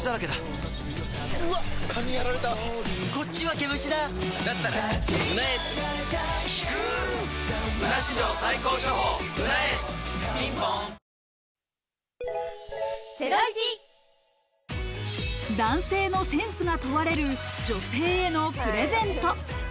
機能性表示食品男性のセンスが問われる女性のプレゼント。